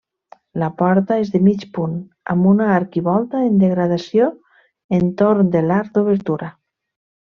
La porta és de mig punt, amb una arquivolta en degradació entorn de l'arc d'obertura.